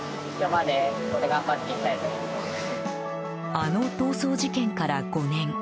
あの逃走事件から５年。